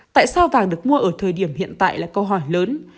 tại sao vàng được mua ở thời điểm hiện tại là câu hỏi lớn